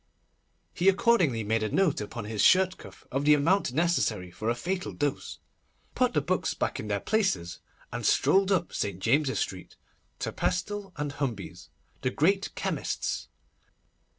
He accordingly made a note, upon his shirt cuff, of the amount necessary for a fatal dose, put the books back in their places, and strolled up St. James's Street, to Pestle and Humbey's, the great chemists.